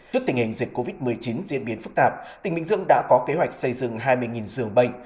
trước tình hình dịch covid một mươi chín diễn biến phức tạp tỉnh bình dương đã có kế hoạch xây dựng hai mươi dường bệnh